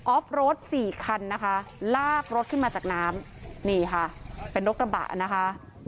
อฟรถสี่คันนะคะลากรถขึ้นมาจากน้ำนี่ค่ะเป็นรถกระบะนะคะ